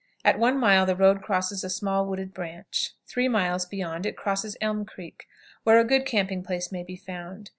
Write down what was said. At one mile the road crosses a small wooded branch. Three miles beyond it crosses "Elm Creek," where a good camping place may be found.